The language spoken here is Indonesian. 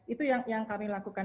itu yang kami lakukan